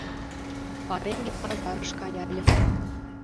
Пареҥге пазарыш каяльым